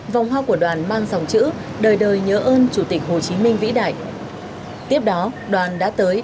vòng hoa của đoàn mang dòng chữ đời đời nhớ ơn chủ tịch hồ chí minh vĩ đại